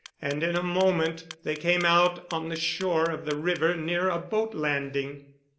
And in a moment they came out on the shore of the river near a boat landing.